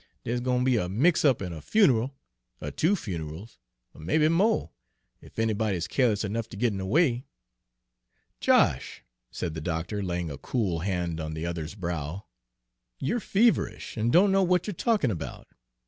dere's gwine ter be a mix up, an' a fune'al, er two fune'als er may be mo', ef anybody is keerliss enough to git in de way." "Josh," said the doctor, laying a cool hand on the other's brow, "you 're feverish, and don't know what you're talking about.